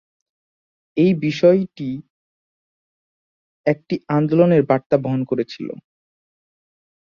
এই বিষয়গুলি একটি আন্দোলনের বার্তা বহন করেছিল।